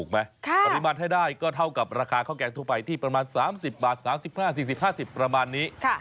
ปริมาณให้ได้ก็เท่ากับราคาข้าวแกงทั่วไปที่ประมาณ๓๐บาท๓๕๔๐๕๐ประมาณนี้